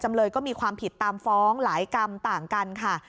เลยก็มีความผิดตามฟ้องหลายกรรมต่างกันค่ะ